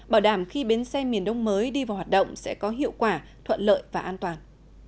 bảo đảm khi bến xe miền đông mới đi vào hoạt động sẽ có hiệu quả thuận lợi và an toàn